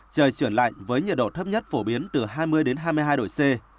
trời chuyển lạnh với nhiệt độ thấp nhất phổ biến từ hai mươi đến hai mươi hai độ c